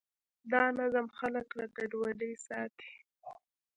دا نظم خلک له ګډوډۍ ساتي.